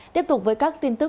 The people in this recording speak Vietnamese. tiếp tục với các tin tức